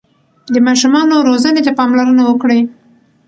د ماشومانو روزنې ته پاملرنه وکړئ.